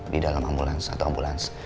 di dalam ambulans atau ambulans